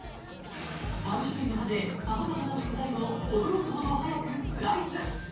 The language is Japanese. ３種類の刃で様々な食材を驚くほど速くスライス！